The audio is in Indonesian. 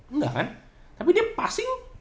enggak kan tapi dia passing